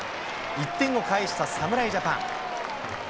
１点を返した侍ジャパン。